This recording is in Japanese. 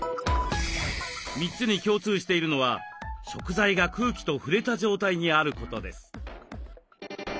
３つに共通しているのは食材が空気と触れた状態にあることです。